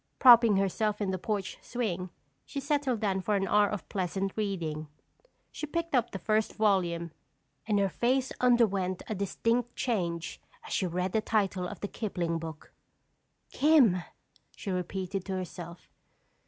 Propping herself in the porch swing, she settled down for an hour of pleasant reading. She picked up the first volume and her face underwent a distinct change as she read the title of the Kipling book. "'Kim,'" she repeated to herself.